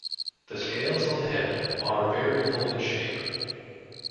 The scales on the head are variable in shape.